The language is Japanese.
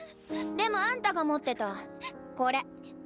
でもあんたが持ってたこれ。